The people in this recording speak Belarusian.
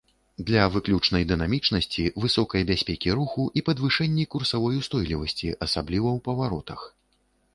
Для выключнай дынамічнасці, высокай бяспекі руху і падвышэнні курсавой устойлівасці, асабліва ў паваротах.